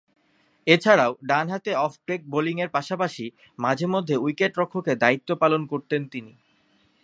এছাড়াও ডানহাতে off break বোলিংয়ের পাশাপাশি মাঝে-মধ্যে উইকেট-রক্ষকের দায়িত্ব পালন করতেন তিনি।